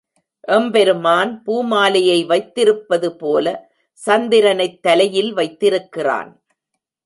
எம்பெருமான் பூமாலையை வைத்திருப்பது போல சந்திரனைத் தலையில் வைத்திருக்கிறான்.